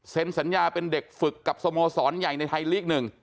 สัญญาเป็นเด็กฝึกกับสโมสรใหญ่ในไทยลีก๑